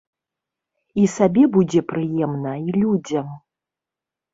І сабе будзе прыемна, і людзям.